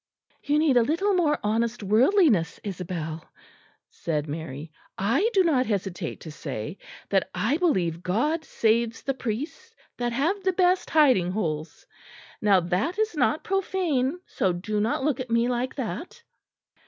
"You need a little more honest worldliness, Isabel," said Mary. "I do not hesitate to say that I believe God saves the priests that have the best hiding holes. Now that is not profane, so do not look at me like that."